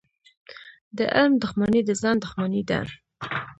د علم دښمني د ځان دښمني ده.